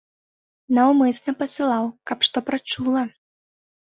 Наўмысна пасылаў, каб што прачула.